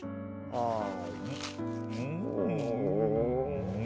ああ。